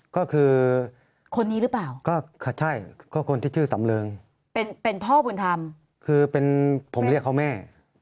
ก็คือคนนี้หรือเปล่าก็ค่ะใช่ก็คนที่ชื่อสำเริงเป็นพ่อบุญธรรมคือเป็นผมเรียกเขาแม่